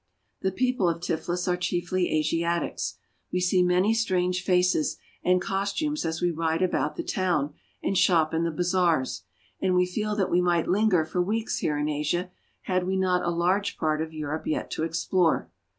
The people of Tiflis are chiefly Asiatics. We see many strange faces and costumes as we ride about the town and shop in the bazaars ; and we feel that we might linger for weeks here in Asia had we not a large part of Europe yet to explore.